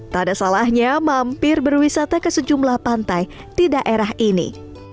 tak ada salahnya mampir berwisata ke sejumlah pantai di daerah ini